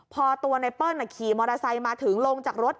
พอตัวไนเปิ้ลขี่มอเตอร์ไซค์มาถึงลงจากรถ